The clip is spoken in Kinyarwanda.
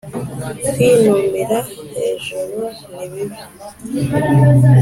kwinumira hejuru ni bibi